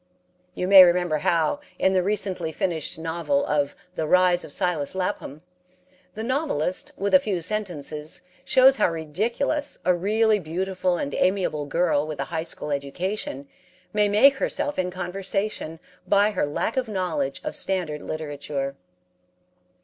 You may remember how, in the recently finished novel of "The Rise of Silas Lapham," the novelist, with a few sentences, shows how ridiculous a really beautiful and amiable girl with a high school education may make herself in conversation by her lack of knowledge of standard literature.